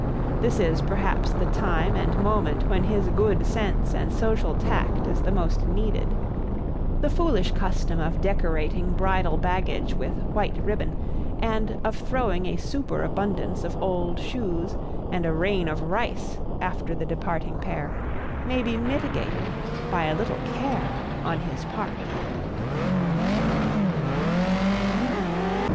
This is perhaps the time and moment when his good sense and social tact is the most needed, The foolish custom of decorating bridal baggage with white ribbon, and of throwing a superabundance of old shoes and a rain of rice after the departing pair, may be mitigated by a little care on his part.